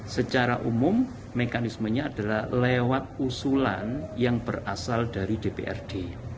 secara umum mekanismenya adalah lewat usulan yang berasal dari dprd